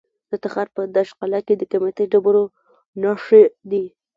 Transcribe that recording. د تخار په دشت قلعه کې د قیمتي ډبرو نښې دي.